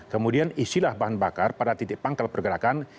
kemudian isilah bahan bakar pada titik pangkal pergerakan